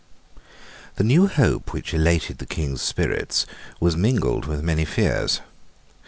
The new hope which elated the King's spirits was mingled with many fears.